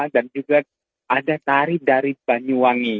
dan juga ada tari dari banyuwangi